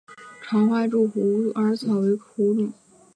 长花柱虎耳草为虎耳草科虎耳草属下的一个变种。